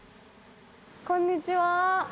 こんにちは。